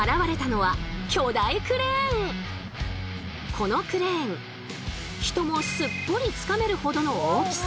このクレーン人もすっぽりつかめるほどの大きさ。